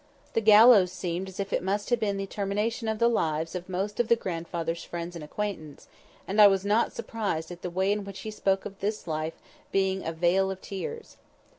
The gallows seemed as if it must have been the termination of the lives of most of the grandfather's friends and acquaintance; and I was not surprised at the way in which he spoke of this life being "a vale of tears."